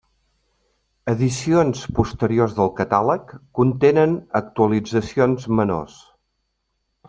Edicions posteriors del catàleg contenen actualitzacions menors.